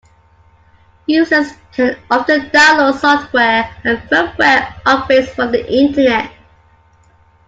Users can often download software and firmware upgrades from the Internet.